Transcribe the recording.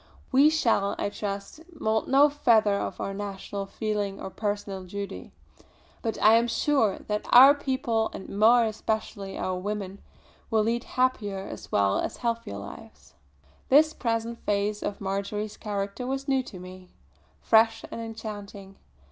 We shall, I trust, moult no feather of our national feeling of personal duty; but I am sure that our people, and more especially our women, will lead happier as well as healthier lives." This present phase of Marjory's character was new to me, fresh and enchanting.